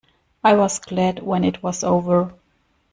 I was glad when it was over.